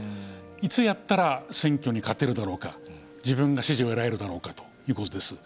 いつやったら選挙に勝てるだろうか、自分が支持を得られるだろうかということです。